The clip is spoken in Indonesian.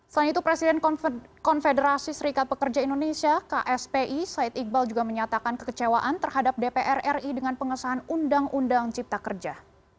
selain itu presiden konfederasi serikat pekerja indonesia kspi said iqbal juga menyatakan kekecewaan terhadap dpr ri dengan pengesahan undang undang cipta kerja